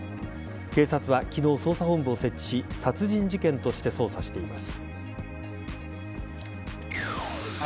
警察は昨日、捜査本部を設置し殺人事件として捜査しています。